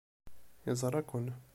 Yeẓra-ken.